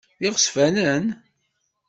D iɣezfanen?